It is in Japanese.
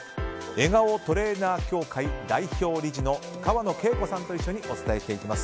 笑顔トレーナー協会代表理事の川野恵子さんと一緒にお伝えしていきます。